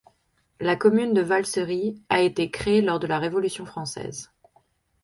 La commune de Valsery a été créée lors de la Révolution française.